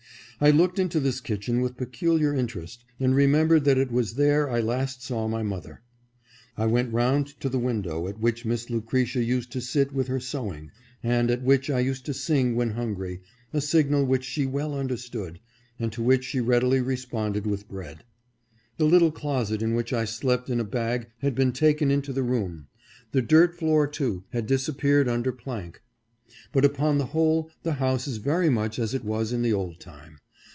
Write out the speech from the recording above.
I looked into this kitchen with peculiar interest, and remembered that it was there I last saw my mother. I went round to the window at which Miss Lucretia used to sit with her sew ing, and at which I used to sing when hungry, a sig nal which she well understood, and to which she readily responded with bread. The little closet in which I slept in a bag had been taken into the room ; the dirt floor, too, had disappeared under plank. But upon the whole the house is very much as it was in the old time.